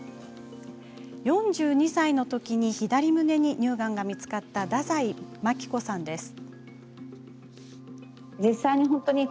４２歳のときに左胸に乳がんが見つかった太宰牧子さんです。